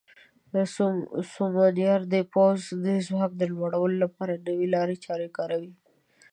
سمونیار د پوځ د ځواک د لوړولو لپاره نوې لارې چارې کاروي.